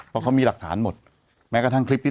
เพราะเขามีหลักฐานหมดแม้กระทั่งคลิปที่